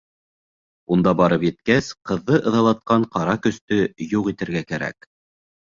Унда барып еткәс, ҡыҙҙы ыҙалатҡан ҡара көстө юҡ итергә кәрәк.